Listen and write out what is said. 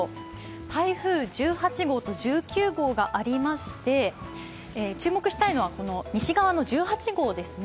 台風１８号と１９号がありまして注目したいのは西側の１８号ですね。